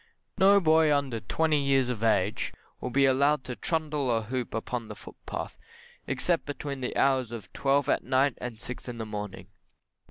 No boy under twenty years of age will be allowed to trundle a hoop upon the footpath, except between the hours of twelve at night and six in the morning.